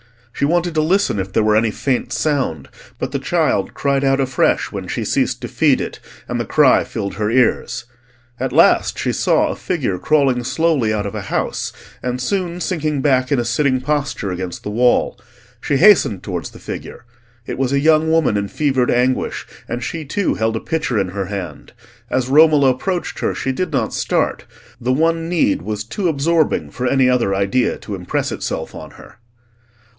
She wanted to listen if there were any faint sound, but the child cried out afresh when she ceased to feed it, and the cry filled her ears. At last she saw a figure crawling slowly out of a house, and soon sinking back in a sitting posture against the wall. She hastened towards the figure; it was a young woman in fevered anguish, and she, too, held a pitcher in her hand. As Romola approached her she did not start; the one need was too absorbing for any other idea to impress itself on her.